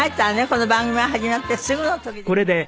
この番組が始まってすぐの時でしたからね。